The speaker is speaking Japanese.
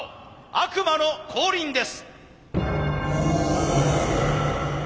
悪魔の降臨です。